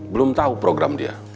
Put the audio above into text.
belum tahu program dia